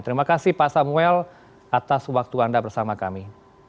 terima kasih pak samuel atas waktu anda bersama kami